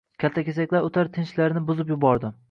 Kaltakesaklar o‘tar tinchlarini buzib bordi